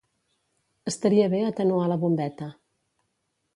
Estaria bé atenuar la bombeta.